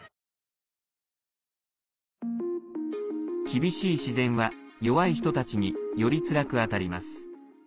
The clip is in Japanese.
厳しい自然は、弱い人たちによりつらく当たります。